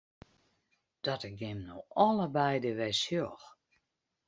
Dat ik jim no allebeide wer sjoch!